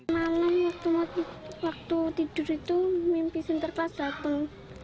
malam waktu tidur itu mimpi sinterkas datang